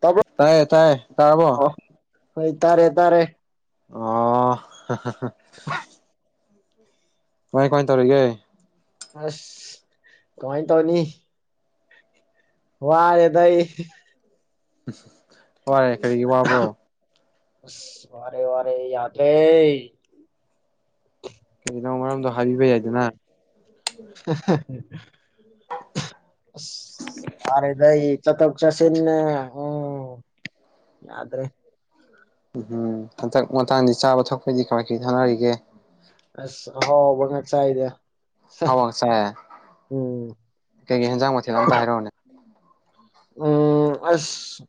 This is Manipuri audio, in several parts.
ꯇꯥꯕ꯭ꯔꯣ ꯇꯥꯏꯌꯦ ꯇꯥꯏꯌꯦ ꯇꯥꯔꯕꯣ ꯑꯣ ꯍꯣꯏ ꯇꯥꯔꯦ ꯇꯔꯦ ꯑꯣ ꯑ ꯃꯣꯏ ꯀꯣꯏ ꯇꯧꯔꯤꯒꯦ ꯑꯁ ꯀꯣꯏ ꯇꯧꯅꯤ ꯋꯥꯔꯦ ꯇꯏ ꯍꯔꯦ ꯀꯔꯤꯒꯤ ꯋꯥꯕ꯭ꯔꯣ ꯑꯁ ꯋꯥꯔꯦ ꯋꯥꯔꯦ ꯌꯥꯗ ꯀꯩꯅ‌ꯣ ꯃꯔꯝꯗꯣ ꯍꯥꯏꯕꯤꯕ ꯌꯥꯏꯗꯅ [unintelligible] [unintelligible] ꯋꯥꯔ‌ꯦꯗ ꯑꯩ ꯆꯠꯊꯣꯛ ꯆꯠꯁꯤꯟꯅ‌ꯦ [unintelligible] ꯌꯥꯗ꯭ꯔꯦ ꯎꯝ ꯍꯟꯗꯛ ꯃꯇꯥꯡꯗꯤ ꯆꯥꯕ ꯊꯛꯄꯩꯗꯤ ꯀꯃꯥꯏ ꯀꯔꯤ ꯊꯣꯡꯅꯔꯤꯒꯦ ꯑꯁ ꯑꯍꯥꯎꯕ ꯉꯥꯛ ꯆꯥꯏꯗ ꯍꯧꯋꯥꯡꯁꯦ ꯎꯝ ꯀꯩꯀꯩ ꯏꯟꯖꯥꯡ ꯃꯊꯦꯜꯅ‌ꯣ ꯑꯝꯇ ꯍꯥꯏꯔꯛꯎꯅꯦ ꯎꯝ ꯑꯁ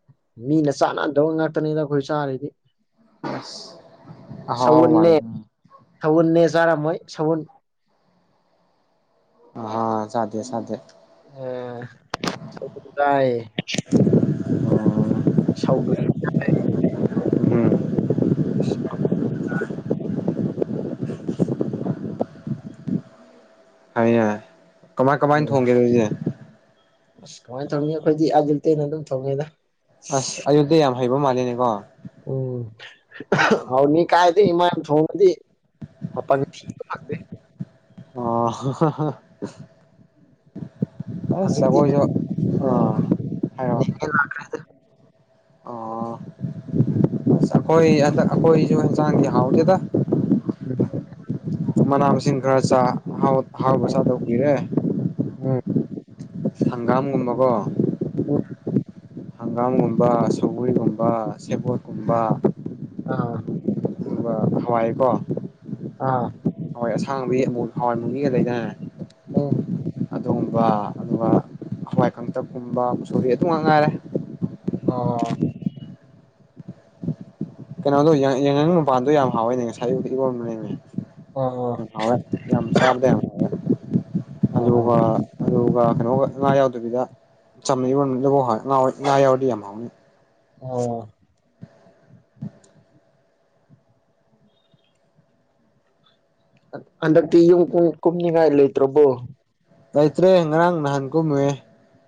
ꯃꯤꯅ ꯆꯥꯅꯗꯕ ꯉꯥꯛꯇꯅꯤꯗ ꯑꯩꯈꯣꯏ ꯆꯥꯔꯤꯗꯤ ꯑꯁ ꯑꯍꯥꯎꯕ ꯃ ꯁꯥꯎꯟꯅꯦ ꯆꯥꯔꯝꯃ‌ꯣꯏ ꯁꯥꯎꯟ ꯍꯥ ꯆꯥꯗ‌ꯦ ꯆꯥ‌ꯗ‌ꯦ ꯑ ꯆ ꯇꯑ [unintelligible] ꯁꯥꯎꯒ [unintelligible] ꯎꯝ [unintelligible] ꯑꯩꯅ ꯀꯃꯥꯏ ꯀꯃꯥꯏꯅ ꯎꯝ ꯊꯣꯡꯒꯦ ꯅꯪꯁꯦ ꯑꯁ ꯀꯃꯥꯏꯅ ꯇꯧꯅꯤ ꯑꯩꯈꯣꯏꯗꯤ ꯑꯜꯂꯤꯇ‌ꯦꯅ ꯑꯗꯨꯝ ꯊ‌ꯣꯡꯉꯤꯗ ꯑꯁ ꯑꯌꯣꯗꯤ ꯌꯥꯝ ꯍꯩꯕ ꯃꯥꯜꯅꯤꯅꯦꯀꯣ ꯑ ꯏꯃꯥ ꯊꯣꯡꯉꯗꯤ ꯃꯄꯟ ꯊꯤꯕ ꯉꯥꯛꯇꯅ‌ꯦ ꯑ ꯑ ꯍꯧꯖꯤꯛꯇꯤ ꯑꯩꯈ‌ꯣꯏꯖꯨ ꯑꯥ ꯎꯝ ꯍꯥꯏꯔꯛꯑꯣ ꯑꯣ ꯑꯩꯈꯣꯏ ꯑ ꯑꯩꯈꯣꯏꯁꯨ ꯏꯟꯆꯥꯡ ꯍꯥꯎꯇ‌ꯦꯗ ꯃꯅꯥ ꯃꯁꯤꯡ ꯈꯔ ꯆꯥ ꯥꯑꯍꯥꯎꯕ ꯑꯍꯥꯎꯕ ꯆꯥꯗꯕ ꯀꯨꯏꯔꯦ ꯎꯝ ꯍꯪꯒꯥꯝꯒꯨꯝꯕꯀꯣ ꯑꯣ ꯍꯪꯒꯥꯝꯒꯨꯝꯕ ꯁꯧꯒ꯭ꯔꯤꯒꯨꯝꯕ ꯁꯦꯕꯣꯠꯀꯨꯝꯕ ꯑꯥ ꯑꯗꯨꯒ ꯍꯋꯥꯏꯀꯣ ꯑꯥ ꯍꯋꯥꯏ ꯑꯁꯥꯡꯕꯤ ꯑꯃꯨ ꯍꯋꯥꯏꯃꯨꯕꯤꯒ ꯂꯩꯗꯥꯏꯅꯦ ꯎꯝ ꯑꯗꯨꯒꯨꯝꯕ ꯑꯗꯨꯒ ꯍꯋꯥꯏ ꯀꯥꯡꯇꯛꯀꯨꯝꯕ ꯃꯨꯁꯣꯔꯤ ꯑꯗꯨ ꯉꯥꯛ ꯉꯥꯏꯔꯦ ꯑꯣ ꯀꯩꯅꯣꯗꯣ ꯌꯥꯏ ꯌꯥꯏꯉꯪ ꯃꯄꯥꯟꯗꯣ ꯌꯥꯝ ꯍꯥꯎꯋꯦꯅꯦ ꯉꯁꯥꯏ ꯑꯌꯨꯛꯇ ꯏꯔꯣꯟꯕꯅꯤꯅꯦ ꯑꯣ ꯎꯝ ꯍꯥꯎꯋꯦ ꯌꯥꯝ ꯆꯥꯕꯗ ꯌꯥꯝ ꯍꯥꯎꯋꯦ ꯑꯂꯨꯒ ꯑꯣ ꯑꯗꯨ ꯄ ꯀꯩꯅꯣꯒ ꯉꯥ ꯌꯥꯎꯗꯕꯤꯗ ꯆꯝꯅ ꯏꯔꯣꯜꯂꯐꯧ ꯍꯥꯎꯋꯦ ꯉꯥꯍꯣꯏ ꯉꯥ ꯌꯥꯎꯔꯗꯤ ꯌꯥꯝ ꯍꯥꯎꯅꯤ ꯑꯣ- ꯍꯟꯗꯛꯇꯤ ꯌꯨꯝ ꯀꯨꯝ ꯀꯨꯝꯅꯤꯡꯉꯥꯏ ꯂꯩꯇ꯭ꯔꯕꯣ ꯂꯩꯇ꯭ꯔꯦ ꯉꯔꯥꯡ ꯅꯍꯥꯟ ꯀꯨꯝꯃꯨꯏꯌꯦ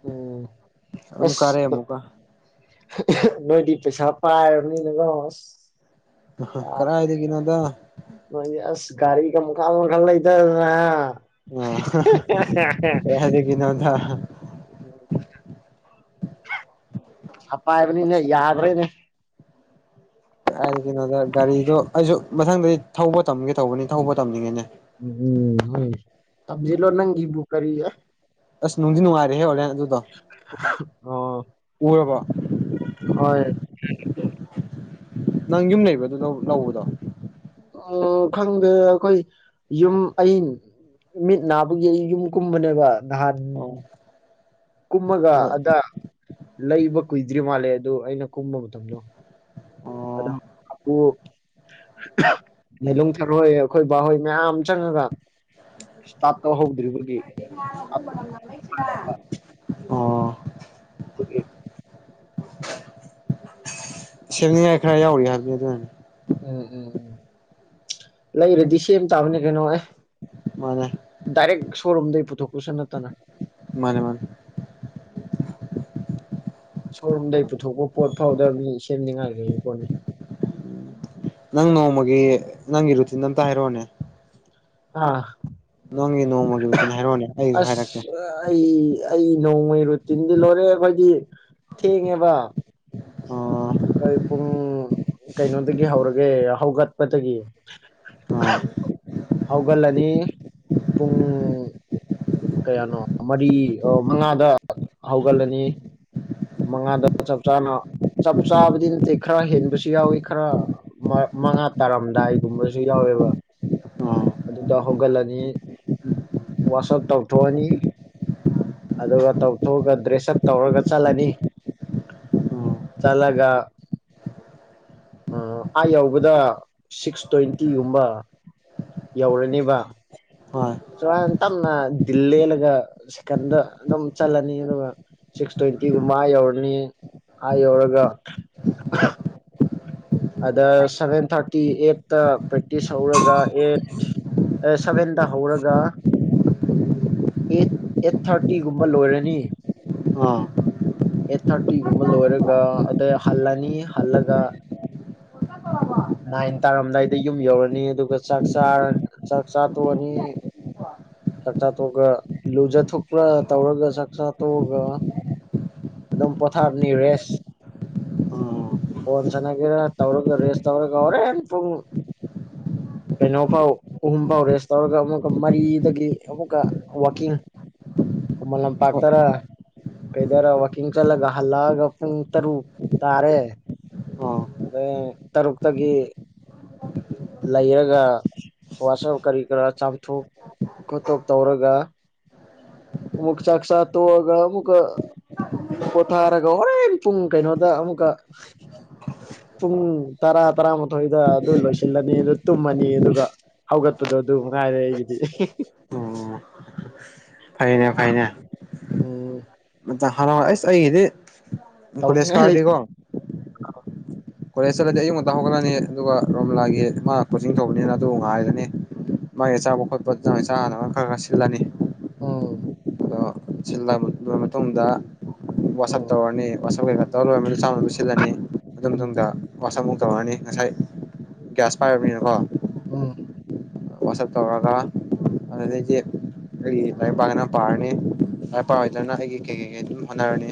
ꯎꯝ ꯑꯗꯨꯝ ꯀꯥꯔꯛꯑꯦ ꯑꯃꯨꯀ ꯍ ꯑꯍꯤꯛ ꯅꯣꯏꯗꯤ ꯄꯩꯁꯥ ꯄꯥꯏꯔꯕꯅꯤꯅ ꯀꯣ ꯑꯁ ꯑ ꯍꯥ ꯀꯔꯥꯏꯗꯒꯤꯅꯣꯗ ꯅꯣꯏꯗꯤ ꯑꯁ ꯒꯥꯔꯤꯒ ꯃꯈꯥꯜ ꯃꯈꯜ ꯂꯩꯗꯗꯅ ꯍꯥ ꯑ ꯍꯥ ꯍꯥ ꯍ ꯀꯔꯥꯏꯗꯒꯤꯅꯣꯗ ꯂꯧꯁꯤꯟꯕ ꯉꯝꯗꯕ ꯄꯩꯁꯥ ꯄꯥꯏꯕꯅꯤꯅ ꯌꯥꯗ꯭ꯔꯦꯅꯦ ꯀꯔꯥꯏꯗꯒꯤꯅꯣꯗ ꯒꯥꯔꯤꯗꯣ ꯑꯩꯖꯨ ꯃꯊꯪꯗꯩ ꯊꯧꯕ ꯇꯝꯒꯦ ꯇꯧꯕꯅꯤ ꯊꯧꯕ ꯇꯝꯅꯤꯡꯉꯤꯅꯦ ꯎꯝ ꯍꯣꯏꯅꯦ ꯇꯝꯖꯤꯜꯂꯣ ꯅꯪꯒꯤꯕꯨ ꯀꯔꯤ ꯑꯦ ꯑꯁ ꯅꯨꯡꯗꯤ ꯅꯨꯡꯉꯥꯏꯔꯦꯍꯦ ꯑꯣꯂꯦꯟ ꯍꯍ ꯁꯍꯨꯛ ꯑꯣ ꯑꯣ ꯑꯣ ꯎꯔꯕꯣ ꯍꯣꯏ ꯅꯪ ꯌꯨꯝ ꯂꯩꯕ꯭ꯔꯥ ꯑꯗꯨ ꯂꯧ ꯂꯧꯕꯗꯣ ꯎꯝ ꯈꯪꯗꯦꯗ ꯑꯩꯈꯣꯏ ꯌꯨꯝ ꯑꯩ ꯃꯤꯠ ꯅꯥꯕꯒꯤ ꯑꯩ ꯌꯨꯝ ꯀꯨꯝꯕꯅꯦꯕ ꯅꯍꯥꯟ ꯎꯝ ꯑꯣ ꯀꯨꯝꯃꯒ ꯍꯣꯏ ꯑꯗ ꯂꯩꯕ ꯀꯨꯏꯗ꯭ꯔꯤ ꯃꯥꯜꯂꯦ- ꯑꯗꯨ ꯑꯩꯅ ꯀꯨꯝꯕ ꯃꯇꯝꯗꯣ ꯑꯣ ꯀꯩꯅꯣ ꯑꯗꯨ ꯍ ꯑꯍꯨ ꯂꯤꯂꯣꯡ ꯊꯔꯣꯏ ꯑꯩꯈꯣꯏ ꯕꯥꯍꯣꯏ ꯃꯌꯥꯝ ꯆꯪꯉꯒ ꯁ꯭ꯇꯥꯠ ꯇꯣ ꯍꯧꯗ꯭ꯔꯤꯕꯒꯤ ꯑꯣ [inaudible] ꯁꯦꯝꯅꯤꯉꯥꯏ ꯈꯔ ꯌꯥꯎꯔꯤ ꯍꯥꯏꯕꯅꯤ ꯑꯗꯨꯅꯤ ꯎꯝ ꯎꯝ ꯎꯝ ꯂꯩꯔꯗꯤ ꯁꯦꯝ ꯇꯥꯕꯅꯦ ꯀꯩꯅꯣ ꯑꯦ ꯃꯥꯅꯦ ꯗꯏꯔꯦꯛ ꯁꯣꯔꯨꯝꯗ ꯄꯨꯊꯣꯛ ꯄꯨꯁꯅ ꯇꯅ ꯃꯥꯅꯦ ꯃꯥꯅꯦ ꯁꯣꯔꯨꯝꯗꯒꯤꯩ ꯄꯨꯊꯣꯛꯄ ꯄꯣꯠ ꯐꯥꯎꯗꯕꯅꯤ ꯁꯦꯝꯅꯤꯡꯉꯥꯏꯈꯩꯒꯤ ꯄꯣꯠꯅꯤ ꯍꯥꯏꯦꯔꯣꯅꯦ ꯑꯥ ꯅꯪꯒꯤ ꯅꯣꯡꯃꯒꯤ ꯃꯇꯨꯡꯇꯤꯟꯅꯦ ꯍꯥꯏꯔꯣꯅꯦ ꯑꯩꯁꯨ ꯍꯥꯏꯔꯛꯀꯦ ꯑꯁ ꯑꯩ ꯑꯩ ꯅꯣꯡꯃꯩ ꯔꯨꯇꯤꯟꯗꯤ ꯂꯣꯏꯔꯦ ꯑꯩꯈꯣꯏꯗꯤ ꯊꯦꯕꯕꯥ ꯑꯣ ꯑꯩ ꯄꯨꯡ ꯀꯩꯅꯣꯗꯒꯤ ꯍꯧꯔꯒꯦ ꯍꯧꯒꯠꯄꯗꯒꯤ ꯑꯥ ꯍꯧꯒꯠꯂꯅꯤ ꯄꯨꯡ ꯀꯌꯥꯅꯣ ꯃꯔꯤ ꯃꯉꯥꯗ ꯍꯧꯒꯠꯂꯅꯤ ꯃꯉꯥꯗ ꯆꯞ ꯆꯥꯅ ꯆꯞ ꯆꯥꯕꯗꯤ ꯅꯠꯇꯦ ꯈꯔ ꯍꯦꯟꯕꯁꯨ ꯌꯥꯎꯋꯤ ꯈꯔ ꯃꯉꯥ ꯇꯥꯔꯝꯗꯥꯏꯒꯨꯝꯕꯁꯨ ꯌꯥꯎꯋꯦꯕ ꯑꯥ ꯑꯗꯨꯗ ꯍꯧꯒꯠꯂꯅꯤ ꯋꯥꯁꯑꯞ ꯇꯧꯊꯣꯛꯑꯅꯤ ꯑꯗꯨꯒ ꯇꯧꯊꯣꯛꯑꯒ ꯗ꯭ꯔꯦꯁꯑꯞ ꯇꯧꯔꯒ ꯆꯠꯂꯅꯤ ꯆꯠꯂꯒ ꯑꯥ ꯌꯧꯕꯗ ꯁꯤꯛꯁ ꯇ꯭ꯋꯦꯟꯇꯤꯒꯨꯝꯕ ꯌꯧꯔꯅꯦꯕ ꯑꯥ ꯍꯣꯏ ꯅ ꯇꯞꯅ ꯗꯤꯜ ꯂꯦꯜꯂꯒ ꯁꯦꯀꯟꯗ ꯑꯗꯨꯝ ꯆꯠꯂꯅꯤ ꯑꯗꯨꯒ ꯁꯤꯛꯁ ꯇ꯭ꯋꯦꯟꯇꯤꯒꯨꯝꯕ ꯌꯧꯔꯅꯤ ꯑ ꯌꯧꯔꯒ ꯑꯗ ꯁꯚꯦꯟ ꯊꯥꯔꯇꯤ ꯑꯦꯠꯇ ꯄ꯭ꯔꯦꯛꯇꯤꯁ ꯍꯧꯔꯒ ꯑꯦꯠ ꯁꯚꯦꯟꯗ ꯍꯧꯔꯒ ꯑꯦꯠ ꯑꯦꯠ ꯊꯥꯔꯇꯤꯒꯨꯝꯕ ꯂꯣꯏꯔꯅꯤ ꯑꯥ ꯑꯦꯠ ꯊꯥꯔꯇꯤꯒꯨꯝꯕ ꯂꯣꯏꯔꯒ ꯑꯗꯩ ꯍꯜꯂꯅꯤ ꯍꯜꯂꯒ ꯅꯥꯏꯟ ꯇꯥꯔꯝꯗꯥꯏꯗ ꯌꯨꯝ ꯌꯧꯔꯅꯤ ꯑꯗꯨꯒ ꯆꯥꯛ ꯆꯔ ꯆꯥꯛ ꯆꯥꯊꯣꯛꯑꯅꯤ ꯆꯥꯛꯆꯥꯥ ꯇꯣꯛꯑꯒ ꯂꯨꯖꯊꯣꯛꯄ꯭ꯔ ꯇꯧꯔꯒ ꯆꯥꯛꯆꯥ ꯇꯣꯛꯑꯒ ꯑꯗꯨꯝ ꯄꯊꯥꯔꯅꯤ ꯔꯦꯁ ꯑꯥ ꯍꯣꯟ ꯁꯥꯟꯅꯒꯦꯔꯥ ꯇꯧꯔꯒ ꯔꯦꯁ ꯇꯧꯔꯒ ꯍꯣꯔꯦꯟ ꯄꯨꯡ ꯀꯩꯅꯣ ꯐꯥꯎ ꯑꯍꯨꯝ ꯐꯥꯎ ꯔꯦꯁ ꯇꯧꯔꯒ ꯑꯃꯨꯛꯀ ꯃꯔꯤꯗꯒꯤ ꯑꯃꯨꯛꯀ ꯋꯀꯤꯡ ꯈꯨꯃꯟ ꯑꯣ ꯂꯝꯄꯥꯛꯇꯔ ꯀꯩꯗꯔ ꯋꯥꯛꯀꯤꯡ ꯆꯠꯂꯒ ꯍꯜꯂꯛꯑꯒ ꯄꯨꯡ ꯇꯔꯨꯛ ꯇꯥꯔꯦ ꯑꯣ ꯑꯗꯩ ꯇꯔꯨꯛꯇꯒꯤ ꯂꯩꯔꯒ ꯋꯥꯆꯞ ꯀꯔꯤ ꯀꯔꯥ ꯆꯥꯝꯊꯣꯛ ꯈꯣꯠꯇꯣꯛ ꯇꯧꯔꯒ ꯑꯃꯨꯛ ꯆꯥꯛ ꯆꯥ ꯇꯣꯛꯑꯒ ꯑꯃꯨꯛꯀ ꯄꯣꯊꯥꯔꯒ ꯍꯣꯔꯦꯟ ꯄꯨꯡ ꯀꯩꯅꯣꯗ ꯑꯃꯨꯛꯀ ꯄꯨꯡ ꯇꯔꯥ ꯇꯔꯥꯃꯥꯊꯣꯏꯗ ꯑꯗꯨ ꯂꯣꯏꯁꯤꯜꯂꯅꯤ ꯑꯗꯨ ꯇꯨꯝꯃꯅꯤ ꯑꯗꯨꯒ ꯍꯧꯒꯠꯄꯗꯣ ꯑꯗꯨ ꯉꯥꯏꯔꯦ ꯑꯩꯒꯤꯗꯤ ꯑꯣ ꯐꯩꯅꯦ ꯐꯅꯦ ꯑꯣ ꯅ ꯍꯥꯟꯂꯋꯥ ꯑꯩꯁ ꯑꯩꯒꯤꯗꯤ ꯀꯣꯂꯦꯖ ꯇꯧꯅꯤꯡꯉꯥꯏ ꯂꯩ ꯀꯥꯔꯗꯤꯀꯣ ꯀꯣꯂꯦꯖꯇꯠꯂꯗꯤ ꯑꯌꯨ ꯉꯛꯇ ꯍꯧꯒꯠꯂꯅꯤ ꯑꯗꯨꯒ ꯔꯣꯝꯂꯥꯒꯤ ꯃꯥ ꯄꯣꯠꯆꯤꯡ ꯊꯧꯕꯅꯤꯅ ꯑꯗꯨ ꯉꯥꯏꯔꯅꯤ ꯃꯥꯒꯤ ꯑꯆꯥꯕ ꯈꯣꯠꯄ ꯏꯆꯥ ꯍꯅꯕ ꯈꯔ ꯈꯔ ꯁꯤꯜꯂꯅꯤ ꯎꯝ ꯁꯤꯜꯂꯕ ꯃꯇꯨꯡꯗ ꯋꯥꯆꯞ ꯎꯝ ꯇꯧꯔꯅꯤ ꯋꯥꯆꯞ ꯀꯩꯀꯥ ꯇꯧꯔ ꯂꯣꯏꯔ ꯃꯗꯨ ꯆꯥꯝꯅꯕ ꯁꯤꯜꯂꯅꯤ ꯑꯗꯨ ꯎꯝ ꯃꯇꯨꯡꯗ ꯋꯥꯆꯞꯃꯨꯛ ꯇꯧꯔꯅꯤ ꯉꯁꯥꯏ ꯒ꯭ꯌꯥꯁ ꯄꯥꯏꯔꯕꯅꯤꯅꯀꯣ ꯑ ꯋꯥꯁ ꯇꯧꯔꯒꯅ ꯄꯥꯔꯅꯤ ꯍꯥꯏ ꯄꯥꯎ ꯂꯅ ꯍꯥꯏ ꯀ ꯀꯦ ꯑꯗꯨ ꯍꯅꯔꯅꯤ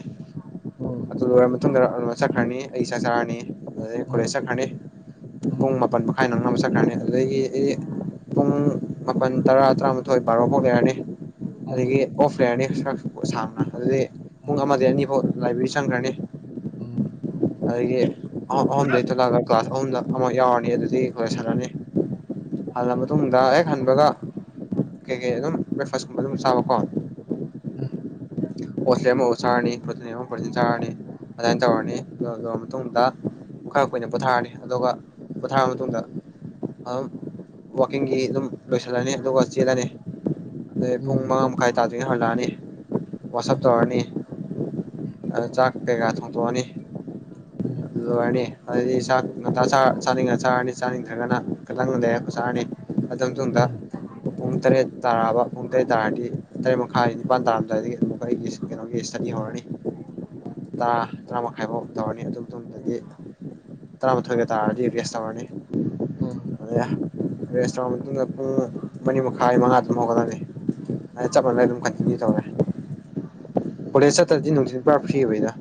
ꯎꯝ ꯑꯗꯨ ꯃꯇꯨꯡꯗ ꯆꯠꯈ꯭ꯔꯅꯤ ꯑꯩ ꯆꯛ ꯆꯥꯔꯅꯤ ꯑꯗꯨꯗꯩ ꯀꯣꯂꯦꯖ ꯎꯝ ꯎꯝ ꯆꯠꯈ꯭ꯔꯅꯤ ꯎꯝ ꯎꯝ ꯄꯨꯡ ꯃꯥꯄꯟ ꯃꯈꯥꯏ ꯆꯠꯈ꯭ꯔꯅꯤ ꯑꯗꯨꯗꯒꯤ ꯄꯨꯡ ꯃꯥꯄꯜ ꯇꯔꯥ ꯇꯔꯥꯃꯥꯊꯣꯏ ꯕꯥꯔꯣ ꯐꯥꯎ ꯂꯩꯔꯅꯤ ꯎꯝ ꯎꯝ ꯑꯗꯒꯤ ꯑꯣꯐ ꯂꯩꯔꯅꯤ [unintelligible] ꯄꯨꯡ ꯑꯃꯗꯒꯤ ꯑꯅꯤꯐꯥꯎ ꯂꯩꯕꯤꯔꯤ ꯆꯪꯒ꯭ꯔꯅꯤ ꯎꯝ [unintelligible] [unintelligible] ꯊꫭꯛꯂꯛꯑꯒ ꯀ꯭ꯂꯥꯁ ꯑꯍꯨꯝꯗ ꯑꯃꯛ ꯌꯥꯎꯔꯅꯤ ꯑꯗꯨꯗꯤ ꯈꯣꯏꯂꯦ ꯍꯜꯂꯛ ꯑꯅꯤ ꯇꯨꯡꯗ ꯍꯦꯛ ꯍꯟꯕꯒ ꯀꯩꯀꯩ ꯑꯗꯨꯝ ꯕ꯭ꯔꯦꯛꯐꯥꯁꯀꯨꯝꯕ ꯑꯗꯨꯝ ꯆꯥꯕꯀꯣ ꯎꯝ ꯍꯣꯁꯂꯦꯟ ꯑꯃꯐꯠ ꯁꯥꯔꯅꯤ ꯄ꯭ꯔꯣꯇꯤꯟ ꯑꯃ ꯄ꯭ꯔꯣꯇꯤꯟ ꯁꯥꯔꯅꯤ ꯑꯗꯨꯃꯥꯏꯅ ꯇꯧꯔꯅꯤ ꯑꯗꯨ ꯇꯧꯔ ꯃꯇꯨꯡꯗ ꯈꯔ ꯀꯨꯏꯅ ꯄꯣꯊꯥꯔꯅꯤ ꯑꯗꯨꯒ ꯄꯣꯊꯥꯔ ꯃꯇꯨꯡꯗ ꯑꯗꯨꯝ ꯋꯥꯛꯀꯤꯡꯒꯤ ꯑꯗꯨꯝ ꯂꯣꯏꯁꯤꯜꯂꯅꯤ ꯑꯗꯨꯒ ꯆꯦꯜꯂꯅꯤ ꯑꯗꯩ ꯄꯨꯡ ꯎꯝ ꯃꯥꯉ ꯃꯥꯈꯥꯏ ꯇ ꯍꯜꯂꯛ ꯑꯅꯤ ꯋꯥꯁꯞ ꯇꯧꯔꯅꯤ ꯑ ꯆꯥꯛ ꯀꯩꯀꯥ ꯊꯣꯡꯗꯣꯛꯑꯅꯤ ꯎꯝ ꯑꯗꯨ ꯂꯣꯏꯔꯅꯤ ꯑꯗꯨꯗꯤ ꯆꯥꯛ ꯉꯟꯇ ꯆꯥꯅꯤꯡꯉ ꯆꯥꯔꯅꯤ ꯆꯥꯅꯤꯡꯗ꯭ꯔꯒꯅ ꯈꯤꯇꯪ ꯂꯩꯔꯥ ꯆꯥꯔꯅꯤ ꯑꯗꯨ ꯃꯥꯇꯨꯡꯗ ꯄꯨꯡ ꯇꯔꯦꯠ ꯇꯥꯔꯛꯑꯕ ꯄꯨꯡ ꯇꯔꯦꯠ ꯇꯥꯔꯗꯤ ꯇꯔꯦꯠ ꯃꯈꯥꯏ ꯅꯤꯄꯥꯟ ꯇꯥꯔꯝꯗꯥꯏꯗꯒꯤ ꯑꯃꯨꯛ ꯑꯩꯒꯤ ꯀꯩꯅꫭꯒꯤ ꯏꯁꯇꯗꯤ ꯎꯝ ꯍꯧꯔꯅꯤ ꯇꯔꯥ ꯇꯔꯥ ꯃꯈꯥꯏꯐꯥꯎ ꯇꯧꯔꯅꯤ ꯑꯗꯨꯝ ꯗꯗꯤ ꯇꯔꯥ ꯃꯥꯊꫭꯏꯒ ꯇꯔꯗꯤ ꯔꯦꯁ ꯇꯧꯔꯅꯤ ꯎꯝ [inaudible] ꯔꯦꯁꯇꯨꯔꯦꯟ ꯃꯇꯨꯡꯗ ꯄꯨꯡ ꯃꯔꯤ ꯃꯈꯥꯏ ꯃꯉꯥ ꯑꯗꯨꯝ ꯍꯧꯒꯠꯂꯅꯤ ꯑꯗꯨ ꯆꯞ ꯃꯥꯟꯅ ꯑꯗꯨꯝ ꯀꯟꯇꯤꯅ꯭ꯌꯨ ꯇꯧꯔꯦ ꯀꯣꯂꯦꯖ ꯆꯠꯇ꯭ꯔꯗꯤ ꯅꯨꯡꯊꯤꯟ ꯄꯨꯔꯥ ꯐ꯭ꯤꯕ ꯑꫭꯏꯊ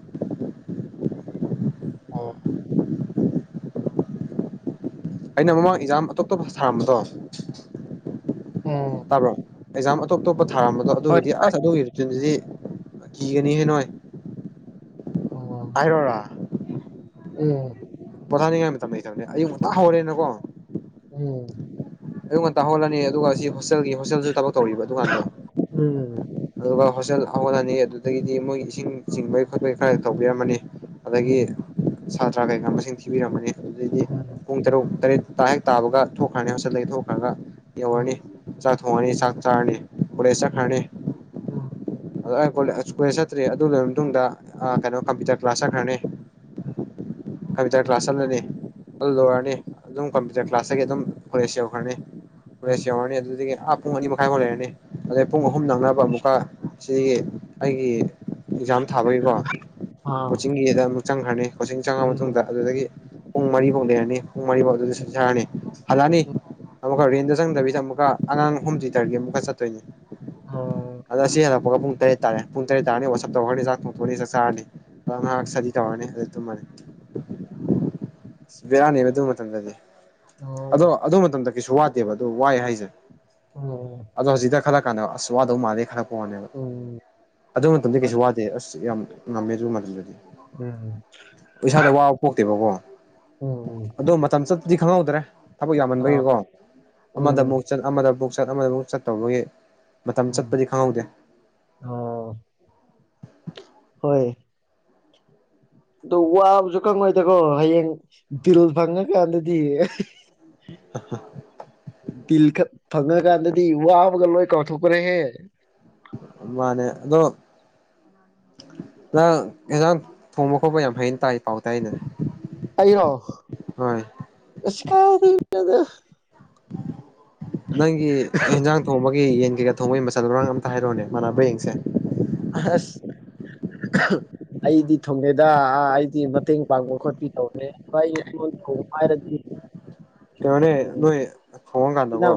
ꯎꯝ ꯑꯩꯅ ꯃꯃꯥꯡ ꯑꯦꯛꯖꯥꯝ ꯑꯇꯣꯞꯇꯣꯞꯄ ꯊꯔꯝꯕꯗꫭ ꯎꯝ ꯇꯥꯕ꯭ꯔꫭ ꯑꯦꯖꯥꯝ ꯑꯇꫭꯞ ꯑꯇꫭꯞ ꯄ ꯊꯥꯔꯝꯕꯗꯣ ꯍꯣꯏ ꯑꯗꯨꯒꯤꯗꯤ ꯑꯁ ꯑꯗꯨꯒꯤ ꯔꯨꯇꯤꯟꯗꯨꯗꯤ ꯀꯤꯒꯅꯤꯌꯦ ꯅꯣꯏ ꯎꯝ ꯍꯥꯏꯔꯣꯔ ꯎꯝ ꯄꯣꯊꯥꯅꯤꯡꯉꯥꯏ ꯃꯇꯝꯇꯅꯤ ꯑꯌꯨꯛ ꯉꯛꯇꯇꯥ ꯍꯧꯔꯦꯅꯀꯣ ꯑꯣꯝ ꯑꯗꯨꯨꯝ ꯇꯥꯍꯣꯜꯂꯅꯤ ꯑꯗꯨꯒ ꯁꯤ ꯍꯣꯁꯇꯦꯜꯒꯤ ꯍꯣꯇꯦꯜꯁꯨ ꯇꯧꯔꯤꯕ ꯗꯨꯀꯥꯟꯗꯣ ꯎꯝ ꯑꯗꯨꯒ ꯍꯣꯁꯇꯦꯜ ꯑꯍꯜ ꯑꯅꯤ ꯑꯗꯨꯗꯒꯤꯗꯤ ꯃꯣꯏ ꯏꯁꯤꯡ ꯆꯤꯡꯕꯩ ꯈꯣꯠꯄꯩ ꯈꯔ ꯇꯧꯕꯤꯔꯝꯃꯅꯤ ꯎꯝ ꯎꯝ ꯑꯗꯒꯤ ꯁꯥꯇ꯭ꯔ ꯀꯩꯀꯥ ꯃꯁꯤꯡ ꯊꯤꯕꯤꯔꯝꯃꯅꯤ ꯑꯗꯨꯩꯗꯤ ꯎꯝ ꯄꯨꯡ ꯇꯔꯨꯛ ꯇꯔꯦꯠ ꯇꯥ ꯍꯦꯛ ꯇꯥꯕꯒ ꯊꯣꯛꯈ꯭ꯔꯅꯤ ꯍꯧꯖꯤꯁꯜꯂꯛꯏ ꯊꯣꯛꯈ꯭ꯔꯒ ꯌ ꯋꯥꯅꯤ ꯎꯝ ꯆꯊ ꯍꯅꯤ ꯆ ꯆꯥꯅꯦ ꯄꯨꯔꯦꯁ ꯈꯥꯅꯦ ꯎꯝ ꯑꯗꯣ ꯑꯩ ꯀꯣꯂꯦꯖ ꯆꯠꯇ꯭꯭ꯔꯔꯤ ꯑꯗꯨ ꯂꯣꯏꯔꯕ ꯃꯇꯨꯡꯗ ꯀꯩꯅꯣ ꯀꯝꯄ꯭ꯌꯨꯇꯔ ꯀ꯭ꯂꯥꯁ ꯆꯠꯈ꯭ꯔꯅꯤ ꯑꯝ ꯀꯕꯤ ꯇ ꯀ꯭ꯂ ꯂꯥꯁꯟꯗꯅꯤ ꯍꯜꯂ ꯋꯥꯅꯤ ꯑꯗꯨꯝ ꯀꯝꯄ꯭ꯌꯨꯇꯔ ꯀ꯭ꯂꯥꯁꯇꯒꯤ ꯑꯗꯨꯝ ꯀꯂꯦꯁ ꯌꯧꯈ꯭ꯔꯅꯤ ꯀꯂꯦꯁ ꯎꯝ ꯌꯧꯔꯅꯤ ꯑꯗꯨꯗꯒꯤ ꯑ ꯄꯨꯡ ꯑꯅꯤ ꯃꯈꯥꯏꯃꯨꯛ ꯂꯩꯔꯅꯤ ꯑꯗꯩ ꯄꯨꯡ ꯎꯝ ꯑꯍꯨꯝ ꯅꯪꯅꯕ ꯑꯃꯨꯛꯀ ꯁꯤꯒꯤ ꯑꯩꯒꯤ ꯑꯦꯛꯖꯥꯝ ꯊꯥꯕꯒꯤꯀꯣ ꯑꯥ ꯀꯣꯆꯤꯡꯒꯤꯗ ꯑꯃꯨ ꯆꯪꯈ꯭ꯔꯅꯤ ꯆꯪꯉ ꯃꯇꯨꯡꯗ ꯎꯝ ꯑꯗꯨꯗꯒꯤ ꯀꯨꯝꯃꯅ ꯄꯥꯎꯗꯦ ꯍꯥꯏꯅꯤ ꯃꯔꯤ ꯎꯝ ꯋꯥꯥꯎꯗꯖꯥꯅꯤ ꯍꯜꯂꯛꯑꯅꯤ ꯑꯃꯨꯛꯀ ꯔꯦꯟꯗ ꯆꯪꯗꯕꯤꯗ ꯑꯃꯨꯛꯀ ꯑꯉꯥꯡ ꯍꯨꯝꯗ꯭ꯗꯔꯒꯤ ꯑꯃꯨꯛꯀ ꯆꯠꯇꯣꯏꯅꯤ ꯑꯣ ꯑꯗ ꯁꯤꯔ ꯑꯃꯀ ꯄꯨꯡ ꯇꯔꯦꯠ ꯇꯥꯔꯦ ꯄꯨꯡ ꯇꯔꯦꯠ ꯇꯔꯅꯤ ꯋꯥꯁꯞ ꯇꯧꯔꯅꯤ ꯆꯥꯛꯣꯡꯊꯣꯛꯅꯤ ꯆꯥꯛ ꯆꯥꯔꯅꯤꯥꯏ ꯁꯗꯤ ꯇꯧꯔꯅꯤ ꯑꯗꯨ ꯇꯨꯝꯃꯅꯤ ꯕꯤꯔꯅꯤ ꯃ ꯑꯗꯨ ꯃꯇꯝ ꯃꯇꯝꯗꯗꯤ ꯑꯗꯣ ꯑꯣ ꯑꯗꯨꯗ ꯃ ꯃꯇꯝ ꯇ ꯀꯁꯨ ꯋꯥꯗꯦꯕ ꯑꯗꯨꯣ ꯋꯥꯑꯦ ꯍꯥꯏꯁꯦ ꯎꯝ ꯑꯗꯣ ꯍꯧꯖꯤꯗ ꯈꯂ ꯀꯣꯁꯋꯥꯗꯧ ꯃꯥꯦ ꯈꯔ ꯋꯥꯅꯦꯕ ꯎꯝ ꯑꯗꯨ ꯃꯇꯝꯗꯤ ꯍꯣꯏ ꯀꯩꯁꯨ ꯋꯥꯗꯦ ꯑꯁ ꯌꯥꯝ ꯅꯝꯃꯦꯖꯕꯨ ꯃꯥꯗꯤ ꯑꯗꯨꯗꯤ ꯎꯝ ꯄꯩꯁꯥꯗ ꯋꯥꯕ ꯄꯣꯛꯇꯦꯕꯀꯣ ꯎꯝ ꯑꯗꯣ ꯃꯇꯝ ꯆ ꯖꯤ ꯈꯉ ꯍꯧꯗ꯭ꯔꯦ ꯊꯕꯛ ꯌꯥꯝꯃꯟꯕꯒꯤꯀꯣ ꯑꯃꯗ ꯑꯃꯨꯛ ꯎꯝ ꯆꯠ ꯑꯃꯗ ꯑꯃꯨꯛ ꯆꯠ ꯆꯠ ꯑꯃꯗ ꯑꯃꯨꯛ ꯆꯠꯇꯧꯕꯒꯤ ꯃꯇꯝ ꯎꯝ ꯆꯠꯄꯗꯤ ꯈꯪꯍꯧꯗꯦ ꯑꯣ ꯍꯣꯏ ꯑꯗꯨ ꯋꯥꯕꯁꯨ ꯈꯪꯉꯣꯏꯗꯀꯣ ꯍꯌꯦꯡ ꯇꯤꯔꯨꯜ ꯐꯪꯉꯀꯥꯟꯗꯗꯤ ꯕꯤꯜ ꯈꯛ ꯐꯪꯉ ꯒꯥꯟꯗꯗꯤ ꯋꯥꯕꯒ ꯂ‌ꯣꯏ ꯀꯥꯎꯊ‌ꯣꯛꯄꯅ‌ꯦꯍ‌ꯦ ꯃꯥꯅꯦ ꯑꯗꯣ ꯅꯪ ꯑꯦꯟꯖꯥꯡ ꯊꯣꯡꯕ ꯈꯣꯠꯄ ꯌꯥꯝ ꯍꯩꯅ ꯇꯥꯏ ꯄꯥꯎ ꯇꯥꯏꯅ ꯑꯩꯔ‌ꯣ ꯑꯁ ꯀꯥꯏꯗꯩꯅ‌ꯣꯗ ꯅꯪꯒꯤ ꯑꯦꯟꯖꯥꯡ ꯊꯣꯡꯕꯒꯤ ꯌꯦꯟ ꯀꯩꯀꯥ ꯊꯣꯡꯕꯩ ꯃꯆꯜ ꯃꯔꯥꯡ ꯑꯝꯇ ꯍꯥꯏꯔꯣꯅꯦ ꯃꯥꯟꯅꯕꯔ ꯌꯦꯡꯁꯦ ꯑꯁ ꯑꯩꯗꯤ ꯊꯣꯡꯗ‌ꯦꯗ ꯑꯩꯗꯤ ꯃꯇꯦꯡ ꯄꯥꯡꯕ ꯈꯣꯠꯄꯤ ꯇꯧꯕꯅꯦ ꯑꯩ ꯉ‌ꯣꯟꯗ ꯊꯣꯡꯉ‌ꯣ ꯍꯥꯏꯔꯗꯤ ꯀꯩꯅ‌ꯣꯅ‌ꯦ ꯎꯝ ꯅꯣꯏ ꯊ‌ꯣꯡꯉꯀꯥꯟꯗꯀꯣ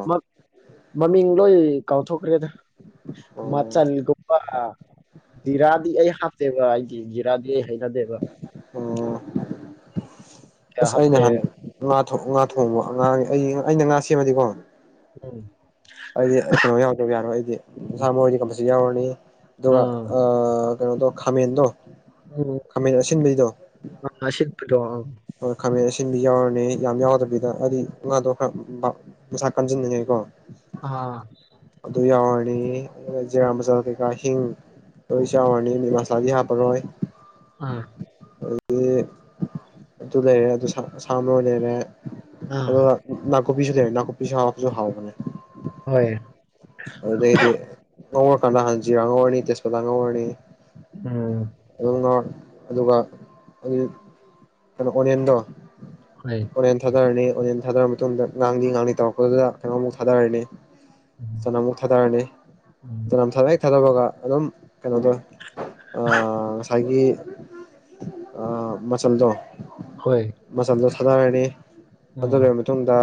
ꯃꯃꯤꯡ ꯂꯣꯏ ꯀꯥꯎꯊꯣꯛꯈ꯭ꯔꯦꯗ ꯑꯣ ꯃꯆꯜꯒꯨꯝꯕ ꯖꯤꯔꯥꯗꯤ ꯑꯩ ꯍꯥꯞꯇꯦꯕ ꯑꯩꯒꯤ ꯖꯤꯔꯥꯗꯤ ꯍꯩꯅꯗꯦꯕ ꯑꯣ ꯀꯌꯥ ꯑꯁ ꯑꯩ ꯍꯥꯞꯇꯦ ꯅꯍꯟ ꯉꯥ ꯊꯣꯡꯕ ꯑꯉꯥꯡ ꯑꯩ ꯑꯩꯅ ꯉꯥ ꯁꯦꯝꯃꯗꯤꯀꯣ ꯎꯝ ꯑꯩꯗꯤ ꯀꯩꯅꯣ ꯌꯥꯎꯗꯕ ꯌꯥꯔꯣꯏ ꯑꯩꯗꯤ ꯁꯥ ꯃꯔ‌ꯣꯏꯗꯤ ꯀꯝꯄꯜꯁꯔꯤ ꯌꯥꯎꯔꯅꯤ ꯎ ꯑꯗꯨꯒ ꯑꯥ ꯑ ꯀꯩꯅꯣꯗꯣ ꯈꯥꯃ‌ꯦꯟꯗꯣ ꯎꯝ ꯑꯁꯤꯠꯄꯗ‌ꯣ ꯍ‌ꯣꯏ ꯈꯥꯃꯦꯟ ꯑꯁꯤꯟꯕꯤ ꯌꯥꯎꯔꯅꯤ ꯌꯥꯝ ꯌꯥꯎꯗꯕꯤꯗ ꯍꯥꯏꯗꯤ ꯉꯥꯗꯣ ꯈꯔ ꯃꯁꯥ ꯀꯟꯁꯤꯟꯅꯤꯡꯉꯥꯏꯀꯣ ꯑꯥ ꯑꯗꯨꯨ ꯌꯥꯎꯔꯅꯤ ꯖꯤꯔꯥ ꯃꯆꯥꯁ‌ꯦ ꯉꯥꯍꯤꯡ ꯇꯣꯏ ꯆꯥꯎꯔꯅꯤ ꯅꯤꯃꯥꯁꯥꯗꯤ ꯍꯥꯞꯄꯔꯣꯏ ꯑꯥ ꯑꯗꯨꯗꯒꯤ ꯑꯗꯨ ꯂꯩꯔꯦ ꯑꯗꯨ ꯁꯥꯃꯔꯣꯏ ꯂꯩꯔꯦ ꯑꯥ ꯑꯗꯨꯒ ꯅꯥꯀꯨ ꯀꯣꯄꯤꯁꯨ ꯂꯩꯔꯦꯅꯥ ꯀꯣꯄꯤꯁꯨ ꯍꯥꯄꯖꯨ ꯍꯥꯎꯕꯅꯦ ꯍꯣꯏ ꯑꯗꯩꯗꯤ ꯉꯧꯔ ꯀꯥꯟꯗꯥ ꯍꯥꯟꯅ ꯖꯤꯔ ꯉꯧꯔꯅꯤ ꯇꯦꯁꯄꯇꯥ ꯉꯧꯔꯅꯤ ꯎꯝ ꯉꯧꯅ ꯑꯗꯨꯒ ꯎꯝ ꯀꯩꯅꯣ ꯑꯣꯅꯤꯌꯟꯗꯣ ꯍꯣꯏ ꯑꯣꯅꯤꯌꯟ ꯊꯥꯗꯔꯅꯤ ꯑꯣꯅꯤꯌꯟ ꯊꯥꯗꯔ ꯃꯇꯨꯡꯗ ꯉꯥꯡꯂꯤ ꯉꯥꯡꯂꯤ ꯇꯧꯔꯛꯄꯗꯨꯗ ꯀꯩꯅꯣꯃꯨꯛ ꯊꯥꯗꯔꯅꯤ ꯎꯝ ꯆꯅꯝꯃꯨꯛ ꯊꯥꯗꯔꯅꯤ ꯎꯝ ꯆꯅꯝ ꯊꯥ ꯍꯦꯛ ꯊꯕꯒ ꯑꯗꯨꯝ ꯀꯩꯅꯣꯗ ꯑ ꯉꯥꯁꯥ ꯉꯁꯥꯏꯒꯤ ꯑꯥ ꯃꯆꯜꯗꯣ ꯍꯣꯏ ꯃꯆꯜꯗꯣ ꯊꯥꯗꯔꯅꯤ ꯑꯗꯨ ꯎꯝ ꯂꯣꯏꯔꯕ ꯃꯇꯨꯡꯗ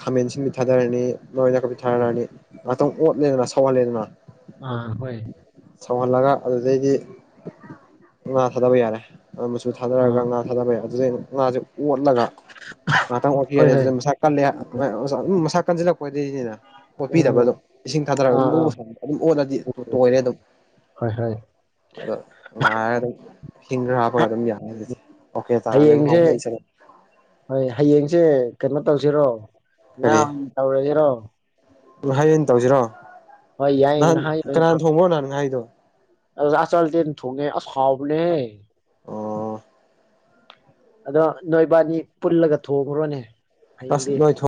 ꯈꯥꯃꯦꯟ ꯁꯤꯟꯕ ꯊꯥꯗꯔꯅꯤ ꯃꯔꯣꯏ ꯅꯥꯀꯨꯄꯤ ꯊꯥꯔꯅꯤ ꯉꯥꯛꯇꯪ ꯑꯣꯠꯂꯦꯗꯅ ꯁꯧꯍꯜꯂꯦꯗꯅ ꯑꯥ ꯍꯣꯏ ꯁꯧꯍꯜꯂꯒ ꯑꯗꯨꯗꯩꯗꯤ ꯉꯥ ꯊꯥꯗꯕ ꯌꯥꯔꯦ ꯃꯆꯨ ꯊꯥꯗꯔꯒ ꯑꯥ ꯉꯥ ꯊꯥꯗꯕꯩ ꯑꯗꯨꯗꯩ ꯉꯥꯖꯨ ꯑꯣꯠꯂꯒ ꯉꯥꯛꯇꯪ ꯍꯣꯏ ꯑꯣꯠꯄꯤꯔꯅꯤ ꯍꯣꯏ ꯑꯗꯨꯗ ꯃꯁꯥ ꯀꯜꯂꯦ ꯑꯥ ꯎꯝ ꯃꯁ ꯀꯟꯖꯤꯂ ꯑꯣꯏꯗꯤꯅꯦ ꯎꯝ ꯑꯣꯠꯄꯤꯗꯕ ꯗꯨꯝ ꯑꯥ ꯏꯁꯤꯡ ꯊꯥꯗꯔ ꯑꯗꯨ ꯕꯣ ꯕꯣ ꯑꯥ ꯁꯧꯍꯟ ꯑꯗꯨꯝ ꯑꯣꯠꯂꯗꯤ ꯇꯣꯏꯔꯦ ꯑꯗꯨꯝ ꯍꯣꯏ ꯍꯣꯏ ꯑ ꯉꯥꯏꯔꯒ ꯑꯗꯨꯝ ꯁꯤꯡ ꯈꯔ ꯍꯥꯞꯄꯒ ꯑꯗꯨꯝ ꯌꯥꯔꯅꯤ ꯑꯗꯨꯗꯤ ꯑꯣꯀꯦ ꯇꯥꯔꯅꯤ ꯃꯍꯥꯎ ꯍꯌꯦꯡꯁꯦ ꯃꯩ ꯆꯂ ꯍꯣꯏ ꯍꯌꯦꯡꯁꯦ ꯀꯩꯅꯣ ꯇꯧꯁꯤꯔꯣ ꯌꯥꯝ ꯇꯧꯔꯖꯤꯔꯣ ꯎꯝ ꯍꯌꯦꯡ ꯇꯧꯁꯤꯔꯣ ꯌꯥꯏ ꯅꯍꯥꯟ ꯉꯍꯥ ꯀꯅꯥꯅ ꯊꯣꯡꯕꯅꯣ ꯅꯍꯥꯟ ꯉꯥꯍꯩꯗꯣ ꯔꯥꯖꯆꯥꯜꯗꯦꯟ ꯊꯣꯡꯉꯦ ꯑꯁ ꯍꯥꯎꯕꯅꯦ ꯑꯣ ꯑꯗꯣ ꯅꯣꯏꯕꯥꯅꯤ ꯄꯨꯜꯂꯒ ꯊꯣꯡꯉꯨꯔꯣꯅꯦ ꯇꯁ ꯅꯣꯏ ꯊꯣꯡ